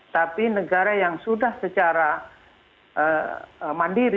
tapi negara yang sudah secara terbiasa mengirim haji